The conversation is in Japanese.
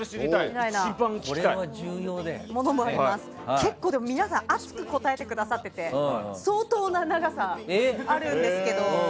結構皆さん熱く答えてくださっていて相当な長さがあるんですけど。